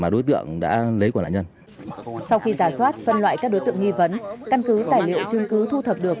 sau khi giả soát phân loại các đối tượng nghi vấn căn cứ tài liệu chứng cứ thu thập được